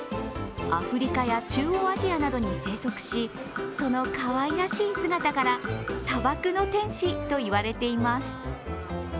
アフリカや中央アジアなどに生息し、そのかわいらしい姿から、砂漠の天使と言われています。